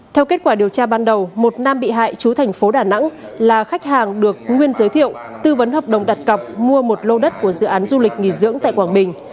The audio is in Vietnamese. theo kết quả điều tra ban đầu một nam bị hại chú thành phố đà nẵng là khách hàng được nguyên giới thiệu tư vấn hợp đồng đặt cọc mua một lô đất của dự án du lịch nghỉ dưỡng tại quảng bình